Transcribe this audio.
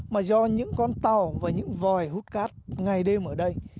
mà do những con tàu và những vòi hút cát ngày đêm ở đây